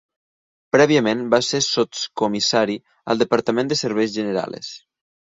Prèviament va ser sotscomissari al departament de serveis generales.